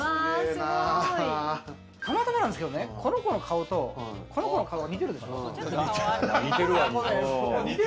たまたまなんですけど、この子の顔と、この子の顔が似てるでしょ。